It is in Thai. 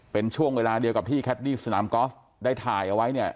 เป็นช่วงเวลาเดียวกับที่แคดดี้สนามกอล์ฟได้ถ่ายเอาไว้เนี่ย